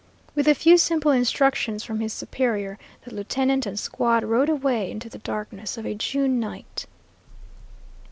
With a few simple instructions from his superior, the lieutenant and squad rode away into the darkness of a June night.